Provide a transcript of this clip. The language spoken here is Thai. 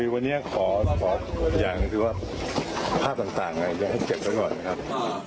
ให้เก็บละก่อนนะครับ